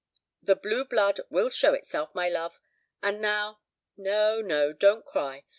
The blue blood will show itself, my love; and now no, no, don't cry.